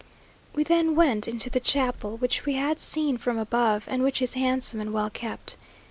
We then went into the chapel, which we had seen from above, and which is handsome and well kept.